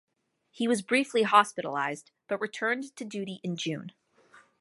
He was briefly hospitalised but returned to duty in June.